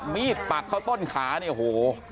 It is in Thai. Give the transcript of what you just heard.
มีดปักเข้าต้นขานี่โห